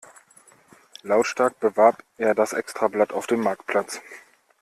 Lautstark bewarb er das Extrablatt auf dem Marktplatz.